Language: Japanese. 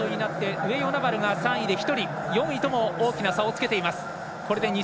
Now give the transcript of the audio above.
上与那原が３位で１人、４位とも大きな差をつけています。